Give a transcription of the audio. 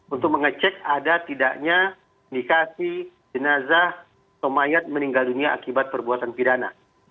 untuk mengecek ada tidaknya indikasi jenazah atau mayat meninggal dunia akibat perbuatan pidana